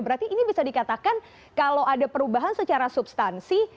berarti ini bisa dikatakan kalau ada perubahan secara substansi